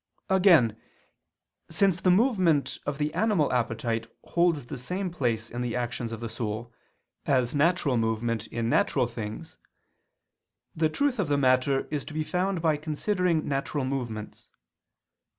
Again, since the movement of the animal appetite holds the same place in the actions of the soul, as natural movement in natural things; the truth of the matter is to be found by considering natural movements.